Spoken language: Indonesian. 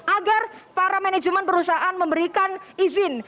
agar para manajemen perusahaan memberikan izin